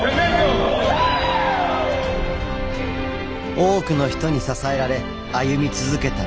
多くの人に支えられ歩み続けた道。